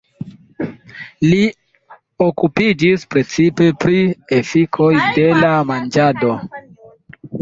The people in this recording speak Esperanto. Li okupiĝis precipe pri efikoj de la manĝado.